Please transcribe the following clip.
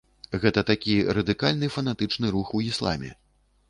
Гэта такі радыкальны, фанатычны рух у ісламе.